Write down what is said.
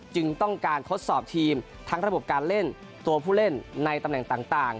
จึงต้องการทดสอบทีมทั้งระบบการเล่นตัวผู้เล่นในตำแหน่งต่าง